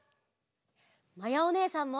まやおねえさんも！